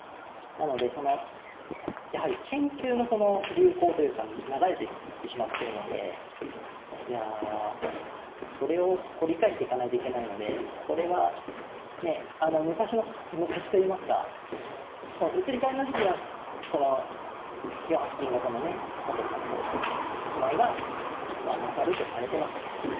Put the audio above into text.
なのでそのやはり研究の流行というか流れで行ってしまってるのでいやそれを掘り返していかないといけないのでこれはねえあの昔の昔といいますかその移り変わりの時期はこの４八金型のね佐藤さんの方が構えがまあ勝るとされてましたけど